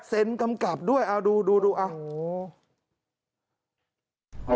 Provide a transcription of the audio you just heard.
เซนต์กำกับด้วยเอาดูเอา